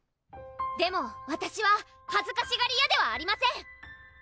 でもわたしははずかしがり屋ではありません！